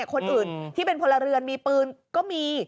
คนอื่นที่เป็นพลเรือนมีปืนก็มี